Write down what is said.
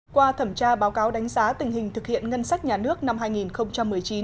qua thẩm tra báo cáo đánh giá tình hình thực hiện ngân sách nhà nước năm hai nghìn một mươi chín